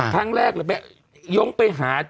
ทั้งแรกยงไปหา